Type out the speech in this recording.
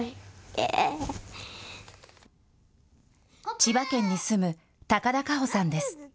千葉県に住む高田佳歩さんです。